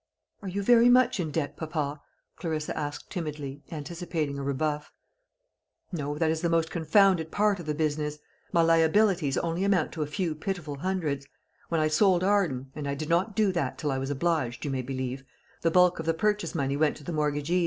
"Are you very much in debt, papa?" Clarissa asked timidly, anticipating a rebuff. "No; that is the most confounded part of the business. My liabilities only amount to a few pitiful hundreds. When I sold Arden and I did not do that till I was obliged, you may believe the bulk of the purchase money went to the mortgagees.